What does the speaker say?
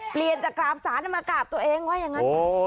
เปลี่ยนจากกราบศาลมากราบตัวเองว่าอย่างนั้น